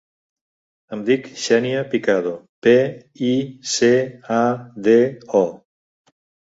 Em dic Xènia Picado: pe, i, ce, a, de, o.